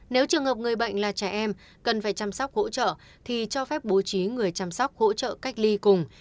nếu trường hợp người bệnh là trẻ em cần phải chăm sóc hỗ trợ thì cho phép bố trí người chăm sóc hỗ trợ cách ly cùng